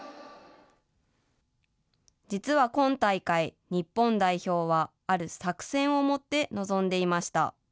実は今大会、日本代表はある作戦を持って臨んでいました。